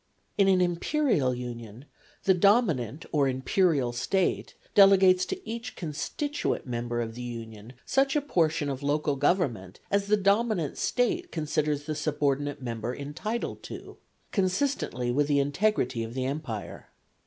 In an imperial union the dominant or imperial State delegates to each constituent member of the union such a portion of local government as the dominant State considers the subordinate member entitled to, consistently with the integrity of the empire.